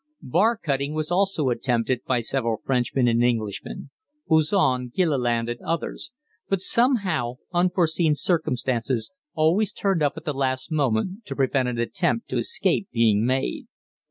Bar cutting was also attempted by several Frenchmen and Englishmen Bouzon, Gilliland, and others; but somehow unforeseen circumstances always turned up at the last moment to prevent an attempt to escape being made.